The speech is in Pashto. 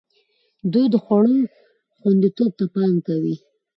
دوی د خوړو خوندیتوب ته پام کوي.